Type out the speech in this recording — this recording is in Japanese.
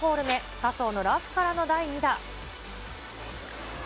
笹生のラフからの第２打。